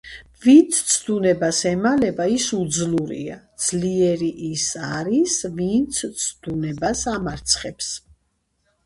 ვინც ცდუნებას ემალება, ის უძლურია. ძლიერი ის არის, ვინც ცდუნებას ამარცხებს.